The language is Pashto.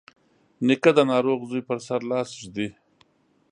نیکه د ناروغ زوی پر سر لاس ږدي.